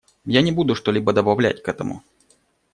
Я не буду что-либо добавлять к этому.